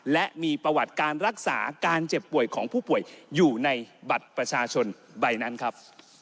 และมีประวัติการรักษาการเจ็บป่วยของผู้ป่วยอยู่ในบัตรประชาชนใบนั้นครับ